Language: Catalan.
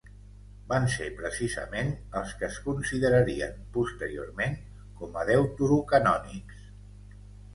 Van ser precisament els que es considerarien, posteriorment, com a deuterocanònics.